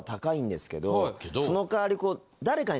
その代わりこう。